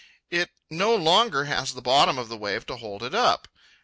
It no longer has the bottom of the wave to hold it up.